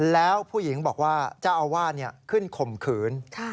แล้วผู้หญิงบอกว่าเจ้าอาวาสขึ้นข่มขืน